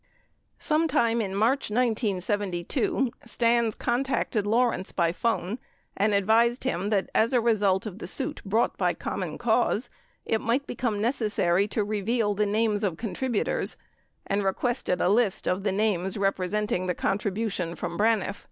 55 Sometime in March 1972, Stans contacted Lawrence by phone and advised him that as a result of the suit brought by Common Cause it might become necessary to reveal the names of contributors, and re quested a list of the names representing the contribution from Braniff.